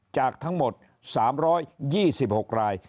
จากทั้งหมด๓๒๖ราย